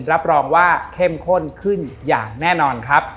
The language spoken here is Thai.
รับรองว่าเข้มข้นขึ้นอย่างแน่นอนครับ